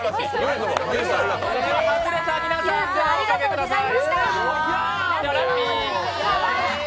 外れた皆さん、おかけください。